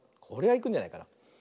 これはいくんじゃないかな。